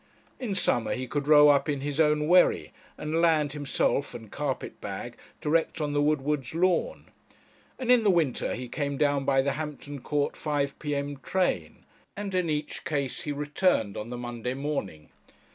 In summer he could row up in his own wherry, and land himself and carpet bag direct on the Woodwards' lawn, and in the winter he came down by the Hampton Court five p.m. train and in each case he returned on the Monday morning.